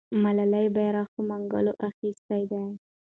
ملالۍ بیرغ په منګولو اخیستی دی.